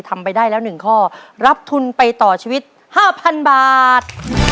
ทำไปได้แล้วหนึ่งข้อรับทุนไปต่อชีวิตห้าพันบาท